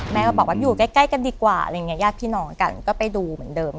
ก็บอกว่าอยู่ใกล้กันดีกว่าอะไรอย่างนี้ญาติพี่น้องกันก็ไปดูเหมือนเดิม